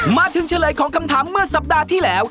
เฉลยของคำถามเมื่อสัปดาห์ที่แล้ว